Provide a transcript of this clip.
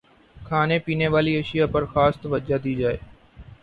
کھانے پینے والی اشیا پرخاص توجہ دی جائے